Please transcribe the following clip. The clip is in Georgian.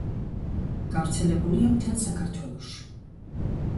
გავრცელებულია მთელ საქართველოში.